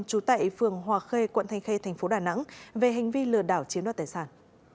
trú tại phường hòa khê quận thanh khê thành phố đà nẵng về hành vi lừa đảo chiếm đoạt tài sản